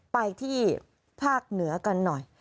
ไปที่ภาคเหนือกันหน่อย